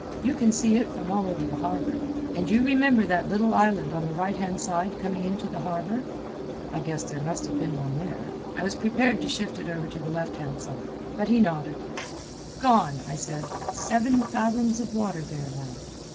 "You can see it from all over the harbor. And you remember that little island on the right hand side coming into the harbor?" I guess there must have been one there (I was prepared to shift it over to the left hand side), for he nodded. "Gone," I said. "Seven fathoms of water there now."